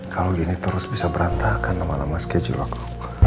kalau ini terus bisa berantakan lama lama schedule aku